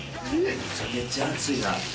めちゃめちゃ熱いな。